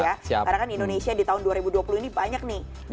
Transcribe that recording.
karena kan indonesia di tahun dua ribu dua puluh ini banyak nih